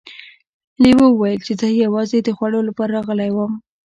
لیوه وویل چې زه یوازې د خوړو لپاره راغلی وم.